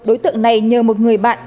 đối tượng này nhờ một người bạn